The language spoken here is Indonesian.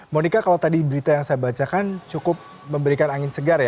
monika kalau tadi berita yang saya bacakan cukup memberikan angin segar ya